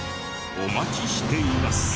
お待ちしています。